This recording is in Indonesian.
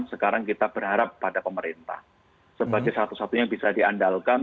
sekarang kita berharap pada pemerintah sebagai satu satunya bisa diandalkan